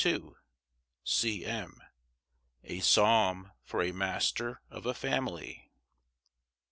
C. M. A psalm for a master of a family.